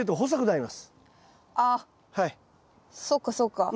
あっそっかそっか。